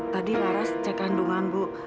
tadi laras cek kandungan bu